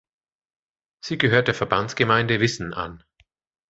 Sie gehört der Verbandsgemeinde Wissen an.